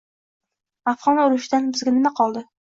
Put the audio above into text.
Afgʻon urushidan bizga nima qoldi?